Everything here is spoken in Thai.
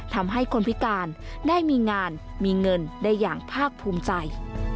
ทำให้คนพิการได้มีงานมีเงินได้อย่างภาคภูมิใจ